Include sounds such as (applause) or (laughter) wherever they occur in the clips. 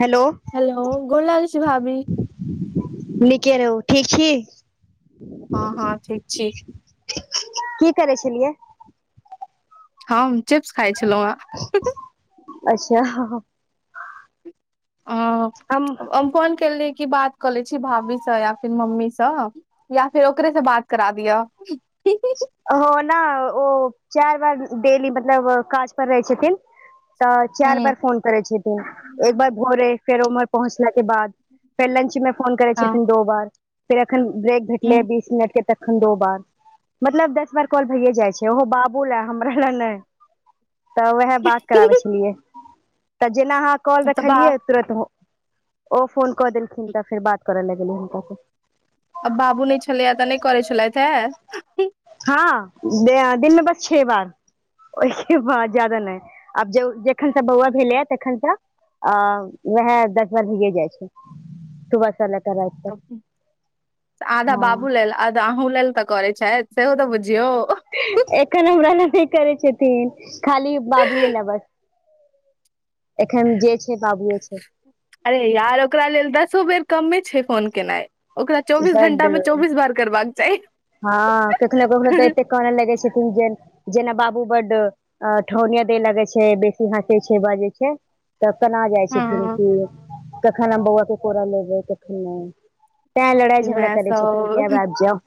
Hello- - hello, गोर लगे छि भाभी निके रहौ ठीक छी। हँ- हँ ठीक छि की करै छलियै हम चिप्स खाइ छलहुँ हें हुं हुं- - अच्छा हह ओ- - हम- - हम फोन केले कि बात कऽ ले छि, भाभीसँ या फिर मम्मीसँ या फिर ओकरे से बात करा द ही ही- - ओ न ओ चारि बार डेली मतलब काज पर रहै छथिन। तऽ चारि ह बार फोन करैत छथिन, एक बार भोरे फेर उम्हर पहुँचलाके बाद फेर लंच मे फोन करैत हँ छथिन दो बार, फेर एखन ब्रेक भेटलै ह बीस मिनट के तखन दो बार मतलब दस बार कॉल भैयए जाइ छै, ओहो बाबू लए हमरा लए नई तऽ उएह बात कराबै छलियै, तऽ जेना अहाँ कॉल तऽ बा रखलियै तुरत ओ फोन कऽ देलखिन तऽ फेर बात करऽ लगलै हुनकासँ आ बाबू नहि छलैया तऽ नेई करै छलैथे उहु। हँ, दि दिनमे बस छे बार ओहिके बाद ज्यादा नेई आब ज जखन स बौआ भेलै ह तखन स अ वएह दस बार भीए जाइ छै सुबह स ल (unintelligible) तऽ आधा बाबू हँ लैले अध। अहूँ लेल तऽ करै छैत सेहो तऽ बुझियौ। एखन हमरा ल नहि करै छथिन खाली बाबुए लए बस एखन जँ छै बाबुए छै। अरे यार ओकरा लेल दसो बेर कमे छै फोन केनाइ ओकरा चौबीस घंटा में चौबीस बार करबाक चाही। ह केखने केखनो तऽ एते काने लगे छथिन जँ जेना बाबू बड्ड अ ठौनिया दे लगे छै बेसी हसै छै बाजै छै। तऽ तना जाइ छै फेरो हँ कऽ कखन हम बौआ कऽ कोड़ा लेबै कखन नहि। तऽ लड़ाए झगड़ा मे करै छथिन कऽ सब आब आएब जाउ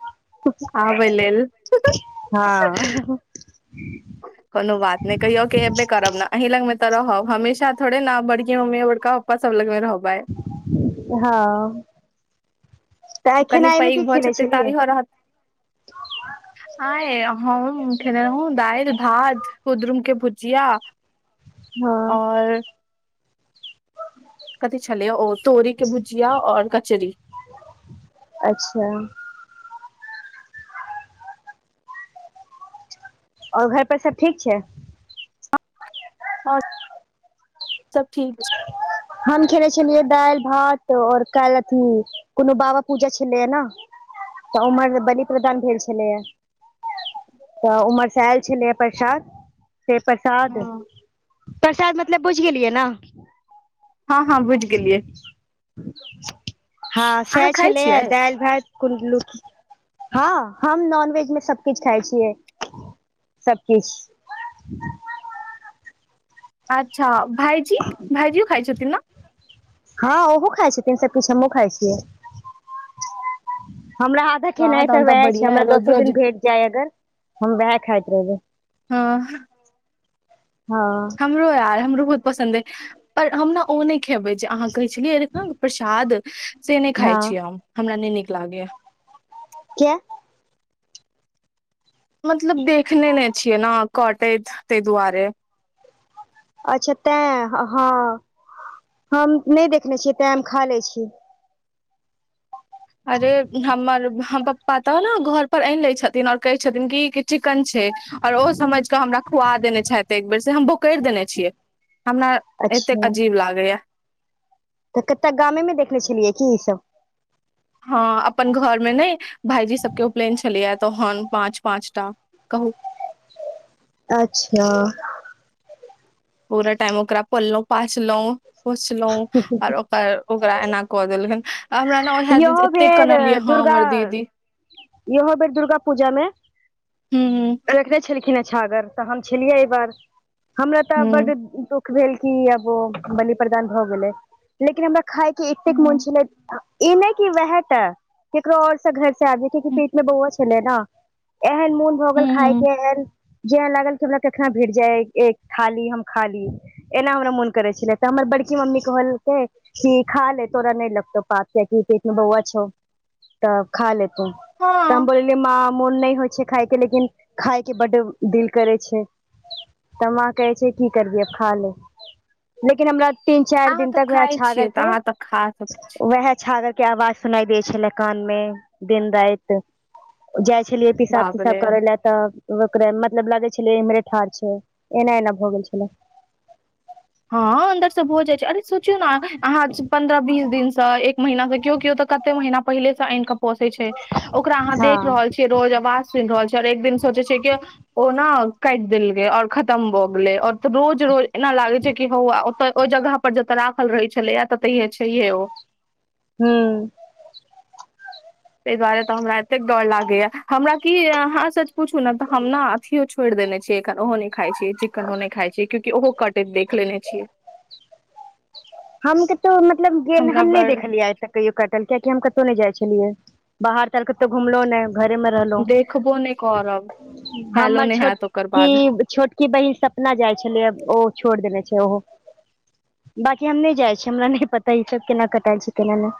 आबै लेल (unintelligible) ह ह-ह कुनू बात नहि कहियो कऽ एबे करब नहि। अही लग मे ते रहब हमेशा थोड़े नहि बड़की मम्मी बड़का पप्पा सब लग मे रहबे। ह तऽ आय कनि खेनाए मे पैघ कऽ भऽ खेनै जेतै छलियै? ताबे रहत (inaudible) आय हम खेने रहौ दाएल भात कुद्रुम कऽ भुजिया हँ और कथी छलै ओ तोरी कऽ भुजिया और कचरी। (unintelligible) अच्छा और घरपर सब ठीक छै? और (unintelligible) सब ठीक छ। हम खेने छलियै दाएल भात और काइल अथी। कोनो बाबा पूजा छलैए नहि तऽ उम्हर बलि प्रदान भेल छलैए। तऽ उम्हर सँ आएल छलै प्रसाद। सऽ प्रसाद हँ प्रसाद मतलब बुझ गेलियै नहि। हँ हँ बुझि गेलियै (unintelligible) ह अहाँ सएह खाइ छलैए छियै दाएल भात कुंडुलूकी ह हम नॉनवेज मे सब किछ खाय छियै। सबकिछ (unintelligible) अच्छा भाइजी भाइजीयो खाय छथिन नहि। ह ओहो खाइ छथिन सब किछ हमहुँ खाइ छियै। हमरा आधा वाह खेनाइ तऽ तहन वए छै बढ़िया है हमरा रोज दसो रोज दिन भेट जाइ अगर हम वएह खाइत रहबै। ह ह हमरो यार हमरो बहुत पसन्द यऽ पर हम नहि ओ नहि खेबै जँ अहाँ पुछलियै जखन प्रसाद सँ नहि खाय हँ छिये हम हमरा नहि नीक लागैये। किया? मतलब देखने नहि छियै नहि कटैत तऽ दुआरे अच्छा तऽ ह हम नहि देखने छियै तऽ हम खाए लऽ छी। अरे हमर हम प्पा तऽ नहि घर पर ऐइन लऽ छथिन और कहै छथिन कऽ चिकन छै। आर ओ समझ कऽ हमरा खुआ देने छैथ एक बेेर सँ हम बोकैर देने छियै। हमरा अच्छा एतेक अजीब लागै यऽ तऽ कते गामे मे देखने छलियै कऽ ई सब? ह अपन घरमे नय भाईजी सबके उपनयन छलैया तहन पाँच पाँच टा कहू, अच्छा पूरा टाइम ओकरा पोललों पाछलौ पोछलौ आर ओकर ओकरा एना कऽ, देल गेल अ हमरा ने ओएह दिन यहो एते भेर कनलियै हँ दुर्गा हमर दीदी यहो भेर दुर्गा पूजा मे हूँ रखने छलखिन आ छागर तऽ हम छलियै, एहि बार हमरा तऽ, हूँ बड दुख दुःख भेल कि आब ओ बलि प्रदान भऽ गेलै लेकिन हमरा खायके एतेक मोन हूँ छलै ई नहि कि वएह टा ककरो औरसँ घर से आब पेट मे बौआ छलै ने, एहन मोन भऽ, गेल हूँ खायके एहन जेना लागल की हमरा कखना भेट जाय एक खा ली हम खा ली। एना हमरा मोन करे छले तऽ, हमर बड़की मम्मी कहलकै कि खा ले तोरा नहि लगतौ। पात पेट मे बउआ छौ, तऽ खा ले तु त हम हँ बोल गे माँ मोन नय होइ छै, खायके लेकिन खायके बड्ड दिल करै छै। तऽ माँ कहै छै की करबिहीं खा ले लेकिन हमरा तीन चार अहाँ दिन तऽ तक वएह खाइ छागर छियै तऽ के, अहाँ तऽ खा सक वएह छागर के आवाज सुनाई दै छलै, कान में दिन राइत। जाइ छलियै पिसाब बाप तिसाब रे करै लए तऽ ओकरा मतलब लागै छलै इम्हरे ठाढ़ छै, एना एना भऽ गेल छलै। हँ अन्दर से भ जाइ छै, अरे सोचियौ ने अहाँ पन्द्रह बीस दिनसँ, महिना से केओ - केओ तऽ कते महीना पहिले से आइन के पोसे छै, ओकरा अहाँ हँ देख रहल छीय रोज आवाज सुनि रहल छीय, और एकदिन सोचे छैै, कि ओ ओ न काटि देल गेलै और खतम भऽ गेलै औरऽ रोज -रोज एना लागै छै, हौ आ ओतऽ ओहि जगह पर जतऽ राखल रहै छलैया ततहिये छहिये ओ। हँ ताहि दुआरे तऽ हमरा एतेक डर लागे या हमरा की ये अहाँ सच पूछू ने तऽ हम ना, अथियो छोड़ देने छियै, एखन ओहो न खाइ छी चिकनो नहि खाई छी, कियाकी ओहो कटैत देख लेने छियै। हम कतो मतलब गेल हमरा हम नहि बड़ देखलियै आय कहियो काटलके कि हम कतहु नहि जाय छलियै बाहर ताहर कतहु घुमलो ने। घरे मे देखबो नहि रहलहुं करब हैलो हमर नहि हैत ओकर छोटकी बाद छोटकी बहीन सपना जाइ छलै ओ छोड़ देने छै, ओहो - की हम नइ जाइ छीय हमरा नहि पता ई सब केना कटाय छै, केना नै।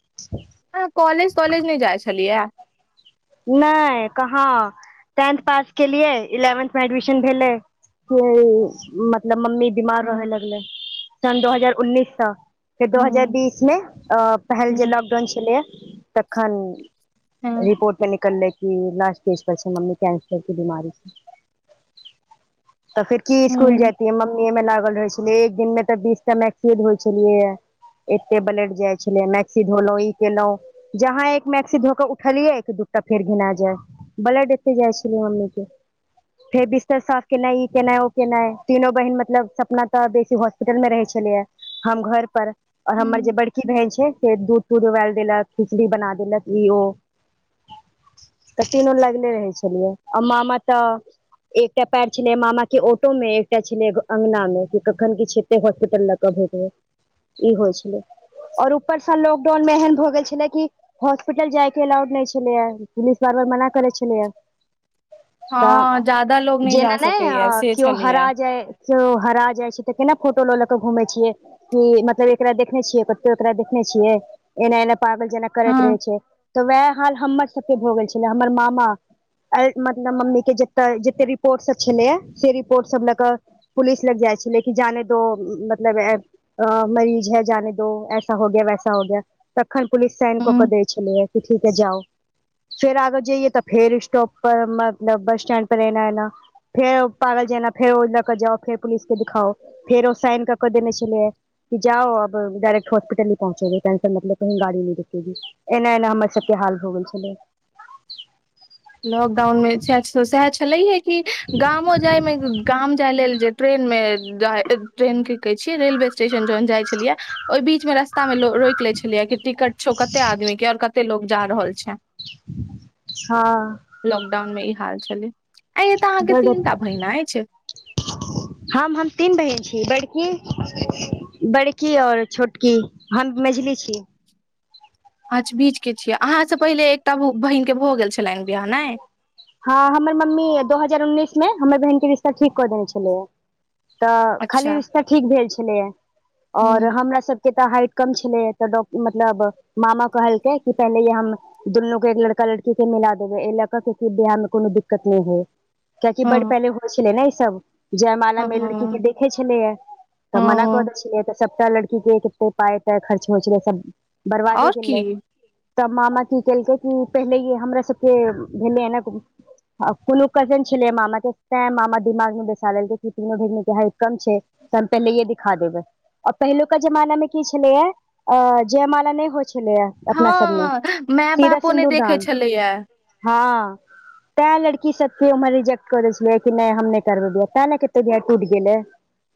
(inaudible) आँहा कॉलेज तॉलेज नहि जाइ छलियै। नय कहाँ टेंथ पास केलियै इलेवेन्थ मे एडमिशन भेलै। मतलब मम्मी बीमार रहे हँ लगलै सन दो हजार उन्नीस सँ। फेर दू हजार हँ बीस मे अ पहिल जे हँ लॉकडाउन छलैए, तखन हँ रिपोर्ट मे निकललै की लास्ट स्टेज पर छै, मम्मी कैंसर क बीमारी छै। तऽ फिर की इस्कूल हँ जाईत मम्मी अय में लागल रहै छलै एक दिन में तऽ, बीस टा मैक्सी धोइ छलिऐ ये। एते ब्लेड जाइ छलै मैक्सी धोलौं ई केलौं जहाँ एक मैक्सी धोके उठलियै दुःख तऽ, फेर घिना जाय बल्ड अते जाइ छलै, मम्मी के फेर बिस्तर साफ केनाइ ई, केनाइ ओ केनाइ तीनो बहिन मतलब सपना तऽ, बेसी होस्पी होटल मे रहै छलैय हम घर पर और हमर हँ जे बड़की बहिन छै से दूध-तूध उबाल देलक खिचड़ी बना देलक ई ओ तऽ तीनु लगले रहै छलियै आ मामा तऽ एकटा पैर छलै मामा के ऑटो में एकटा छलै गऽ अंगना में की कखन किछ हॉस्पिटल लके भेजबै ई होए छलै और ऊपरसँ लॉकडाउन मे एहन भऽ गेल छलै की हॉस्पिटल जाय के अलाउड नहि छल। छलेये पुलीस बार-बार मना कर छ छलेये तऽ हँ ज्यादा लोग जेना जा नहि सकैया से केओ हरा छलैया जाय कियो हरा जाइ छै तऽ केना फोटो लऽ ल के घूमेै छियै कि मतलब एकरा देखने छियै कतौ एकरा देखने छियै एना एना पागल जेना करैत रहै हँ छै तऽ वैह हाल हमर सबके भऽ गेल छलै हमर मामा अए मतलब मम्मी के जेत जते रिपोर्ट सब छैलेये। से रिपोर्ट सब ले कऽ पुलिस लग जाए छेलै कि जाने दो मतलब ए हऽ (inaudible) तखन पुलिस साइन कऽ कऽ हँ दैय छेलै कि ठीक है जाओ फेर आगा जइऐ तऽ फेर स्टॉप पर मतलब बस स्टैंड पर एना एना फेर ओ पागल जेना फेर ओ लकऽ जाऊ फेर पुलिस के दिखाउ फेर ओ साइन कऽ कऽ देने छेलै। जाओ अब डायरेक्ट हॉस्पिटले पहुंचोगे टेंशन मत लो कहीं गाड़ी नहि रोकेगी एना-एना हमर सब के हाल भ गेल छेलै। लॉक्डाउन मे सेहे सो सेहे छेलहै कि गामो जाय मे‌ ग- गाम जाय लेल जे ट्रेन मे जाय ट्रेन कि कहय छी रेलवे स्टेशन जहन जाय छलियै ओइबीच मे रस्ताह मे लो रोकि लेए छेलै कि टिकट छैउ कतै आदमी के आ कतै लोक जा रहल छै। ह लॉक्डाउन मे ई हाल छेलै ऐय तऽ अहा के बड तीन टा बहिन अइछ‌। हम हम तीन बहिन छी बड़की बड़की और छोटकी हम मझिली छी। अच्छ बीच के छी अहा स पहिले एकटा ओ बहिन के भो गेल छेलै न बियाह नै हऽ हमर मम्मी दो हजार उन्नीस मे हमर बहिन के रिश्ता ठीक क देने छेलै यै। तऽ खाली अच्छा रिश्ता ठीक भेल छेलैए और हूँ हमरा सब के तऽ हाइट कम छेलै य त डॉ मतलब मामा कहलकै कि पहिलेए हम दुन्नू के एक लड़का-लड़की के मिला देबय ए लेल कऽ के कि बियाह मे कोनो दिक्कत नै होय क्याकि हँ बडु पहिले होय छेलै न ई सब जयमाला हँ मे लड़की के देखे छेलियै त मना क हँ दै छेलै तऽ सबटा लड़की के कते पाई-ताई खर्च होय छेलै सब बरबादै आओर की गेलै त मामा की केलकै कि पहिलये हमरा सब के भेलै यऽ नऽ आब कोनो कजन छेलै मामा तै मामा दिमाग मे बैइसा लेलकइ कि तीनु भगिनी के हाइट कम छय। त हम पहिलै ये दिखा देबय आ पहिलुका जमाना मे की छेलै यै। अ जयमाला नै होय छेलै यै। ह मैए-बापो नै देखे छेलै यै। हा तैय लड़की सब के उमहर रिजेक्ट क दै छेलै कि नै हम नै करब बियाह तैय ने कते बियाह टूट गेलै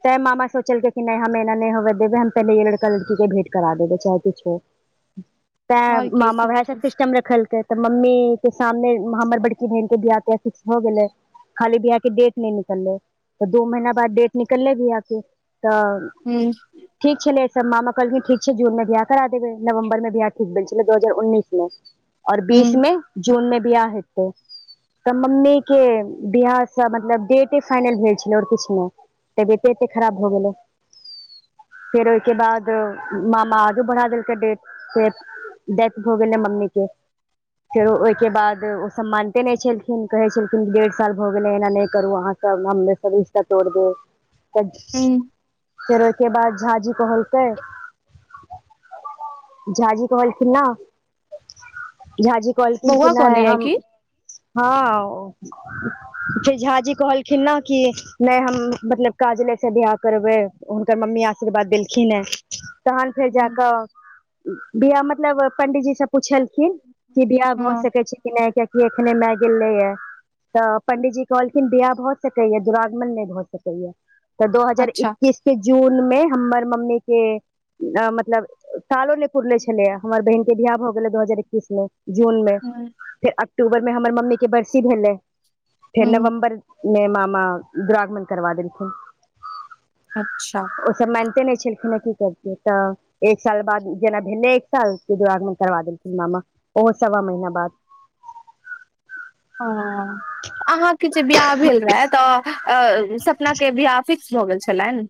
तैय मामा सोचलकै कि नै हम ऐना नै होब देबै हम पहिलै ये लड़का-लड़की के भेट करा देबै चाहे किछो हो। तैऽ आओर की मामा सब ओहे सऽ चीज। सिस्टम रखलकै त मम्मी त सामने हमर बड़की बहिन के बियाह-तियाह फिक्स भ गेलै खाली बियाह के डेट नै निकललै तऽ दू महिना बाद डेट निकललै बियाह के तऽ हूँ। ठीक छलै त मामा कहलखिन ठीक छै जून मे बियाह करा देबै, नवम्बर मे बियाह ठीक भेल छलै दो हजार उन्नीस मे। और हूँ बीस मे जून मे बियाह हेतै। त मम्मी के बियाह के त मतलब डेटे फाइनल भेल छेलै और किछ नै। तबियते खराब भ गेलै। फेर ओयके बाद मामा आगु बढ़ा देलकै डेट फेर। डेथ भ गेलै मम्मी के। फेरो ओयके बाद ओ सब मानते नै छेलखिन कहै छेलखिन कि डेढ़ साल भ गेलै ऐना नै करू अहाँ सब। रिश्ता तोड़ देबै त हूँ फेरो ओयके बाद झा जी कहलखिन त (inaudible) झा जी कहलखिन ना झाजी कहलखिन कि बौआ नै कने य हम, की हँ जे झा जी कहलखिन ना कि नै हम मतलब काजले से बियाह करबै हुनकर मम्मी आशीर्वाद देलखिन ने तहन फेर जा हूँ क बियाह मतलब पंडित जी से पुछलखिन कि बियाह भ हँ सकै छै कि नै कियाकि अखने माय गेलै ये। त पंडितजी कहलखिन बियाह भ सकैये दुरागमन नहि भ सकैये, त दो हजार अच्छा इक्कीस जून मे हमर मम्मी के मतलब सालो ने पुरले छलैये हमर बहिन के बियाह भ गेलै दू हजार एकैस मे जून मे। हूँ फेर अक्टूबर मे हमर मम्मी के बरसी भेलै फेर हूँ नवम्बर मे मामा दुरागमन करवा देलखिन। अच्छा। ओसभ मानिते नहि छलखिन हे की करतियै त एक साल बाद जेना भेलै एक साल के दुरागमन करबा देलखिन मामा ओहो सवा महीना बाद। हं, अहाँके जे बियाह भेल रहे त सपना के बियाह फिक्स फिक्स भ गेल छलैन।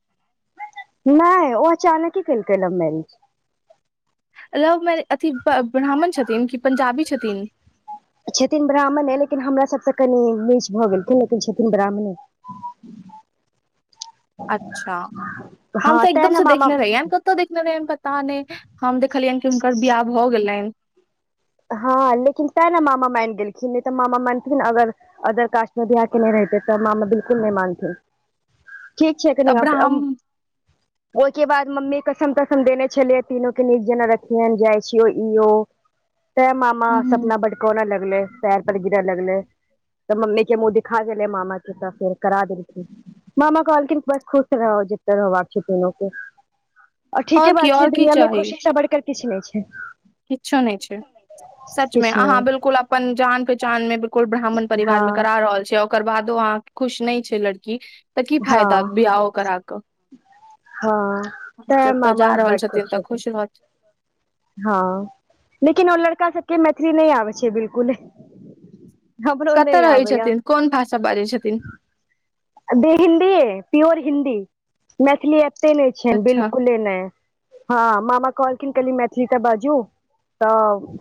ऩै ओ अचानके केलकै लव मैरिज। लव मैरेज, अथि ब्राह्मण छथिन कि पंजाबी छथिन। छथिन ब्राह्मणे लेकिन हमरा सभ सै कनि नीच भ गेलखिन लेकिन छथिन ब्राह्मणे। (inaudible) अच्छा, हँ हम त तें एकदम ने से मामा देखने रहियैन कतऽ देखने रहियैन पता नहि हम देखलियनि कि हुनकर बियाह भ गेलैन। हँ लेकिन तैं ने मामा मानि गेलखिन नहि त मामा मानथिन अगर अदर कास्ट मे बियाह केने रहते त मामा बिलकुल नहि मैनथिन। ठीक छै तऽ कनि ब्राह्म ओहिके बाद मम्मी कसम तसम देने छलियै तीनू के नीक जेना रखिहैन जाइ छियौ। तैं मामा हूँ सपना बड कानऽ लगलै पैर पर गिरऽ लगलै। तऽ मम्मी के मुँह दिखा गेलै मामा के त फेर करा देलथि। मामा कहलखिन बस खुश रहू जतऽ रहबाक छै दुनु के। और ठीके की बात छै और की दुनिया में खुशीसं बढ़िके किछु नहि छै। कि्छो नहि छै। सच में किछु अहाँ नहि बिलकुल अपन जान पहचान मे बिलकुल ब्राह्मण परिवार मे हँ करा रहल छियै ओकर बादो अहाँ खुश नहि छै लड़की त की हँ फायदा बियाह करा कऽ। हँ तऽ जतऽ जा मामा रहल छथिन त खुश रहथि। हं, लेकिन ओ लड़का सबके मैथिली नहि आबै छै बिलकुले। कता रहै छथिन? कोन भाषा बाजै छथिन? अ बी हिन्दीे, प्योर हिन्दी मैथिली ऐब तै नै छैन अच्छा बिल्कुले नै। हां मामा कहलखिन कनि मैथिली त बाजू त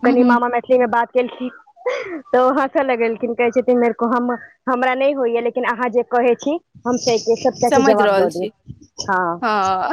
हूँ कनि हूँ मामा मैथ ली में बात केलखीन। त ओ हसा लगैलखिन कहै छथिन नै (unintelligible) हमरा नै होइया लेकिन अहाँ जे कहै छी हम (unintelligible) समझि जवाब रहल दऽ छी देब हां। हँ